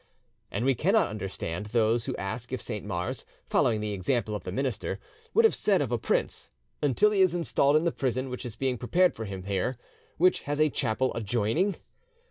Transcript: And we cannot understand those who ask if Saint Mars, following the example of the minister, would have said of a prince "Until he is installed in the prison which is being prepared for him here, which has a chapel adjoining"?